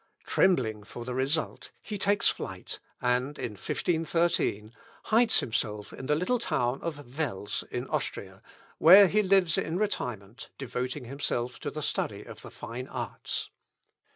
Trembling for the result, he takes flight, and, in 1513, hides himself in the little town of Wels in Austria, where he lives in retirement, devoting himself to the study of the fine arts.